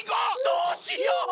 どうしよう！